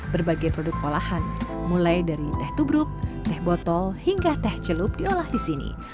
berbagai produk olahan mulai dari teh tubruk teh botol hingga teh celup diolah di sini